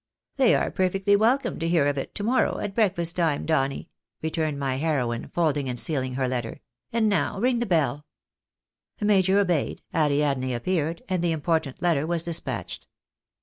" They are perfectly welcome to hear of it to morrow at break fast time, Donny," returned my heroine, folding and seaUng her letter. " And now ring the beU." The major obeyed, Ariadne appeared, and the important letter was despatched.